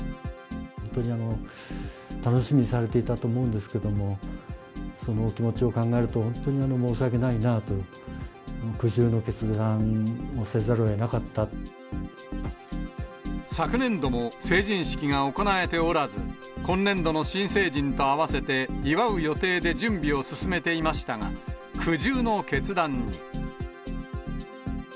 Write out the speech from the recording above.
本当に楽しみにされていたと思うんですけれども、その気持ちを考えると、本当に申し訳ないなぁという、苦渋の決断をせざるをえなかった昨年度も成人式が行えておらず、今年度の新成人と合わせて祝う予定で準備を進めていましたが、苦渋の決断に。